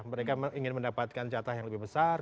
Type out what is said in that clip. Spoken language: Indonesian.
mereka ingin mendapatkan jatah yang lebih besar